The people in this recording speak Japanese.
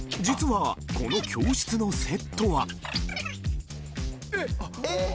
実はこの教室のセットは。